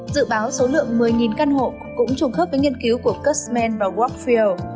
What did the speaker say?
dự báo số lượng một mươi căn hộ cũng trùng khớp với nghiên cứu của custman và walkfield